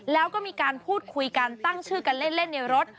แล้วก็มีการพูดคุยกันตั้งชื่อกันเล่นในรถ